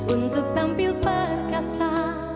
untuk tampil perkasa